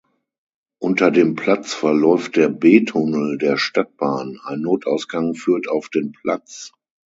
Unter dem Platz verläuft der B-Tunnel der Stadtbahn, ein Notausgang führt auf den Platz.